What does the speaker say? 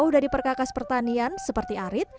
dari perkakas pertanian seperti arit